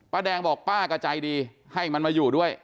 แดงบอกป้าก็ใจดีให้มันมาอยู่ด้วย